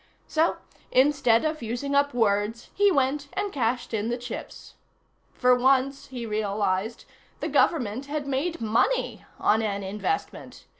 So, instead of using up words, he went and cashed in the chips. For once, he realized, the Government had made money on an investment.